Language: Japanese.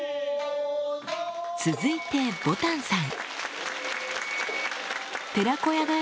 続いてぼたんさん